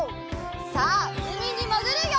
さあうみにもぐるよ！